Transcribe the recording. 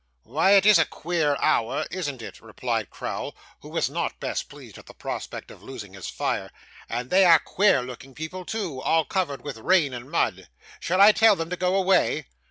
'Why, it IS a queer hour, isn't it?' replied Crowl, who was not best pleased at the prospect of losing his fire; 'and they are queer looking people, too, all covered with rain and mud. Shall I tell them to go away?